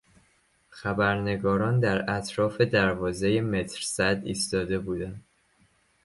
خبرنگاران در اطراف دروازه مترصد ایستاده بودند.